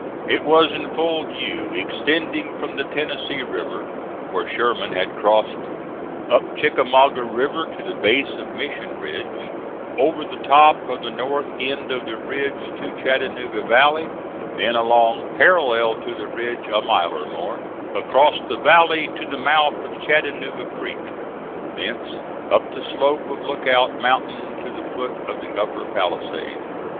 It was in full view, extending from the Tennessee River, where Sherman had crossed, up Chickamauga River to the base of Mission Ridge, over the top of the north end of the ridge to Chattanooga Valley, then along parallel to the ridge a mile or more, across the valley to the mouth of Chattanooga Creek, thence up the slope of Lookout Mountain to the foot of the upper palisade.